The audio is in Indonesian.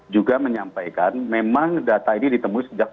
juga menyampaikan memang data ini ditemui sejak dua ribu delapan belas